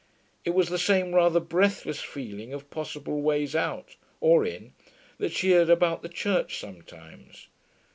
It was the same rather breathless feeling of possible ways out, or in, that she had about the Church sometimes.